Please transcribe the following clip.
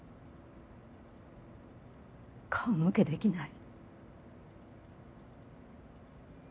顔向けできない。